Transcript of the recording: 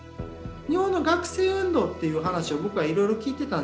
日本の学生運動っていう話を僕はいろいろ聞いてたんですね